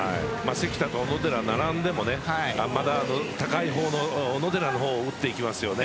関田と小野寺、並んでも高い方の小野寺の方に打っていきますよね。